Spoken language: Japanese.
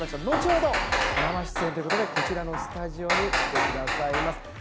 後ほど生出演ということで、こちらのスタジオに来てくださいます。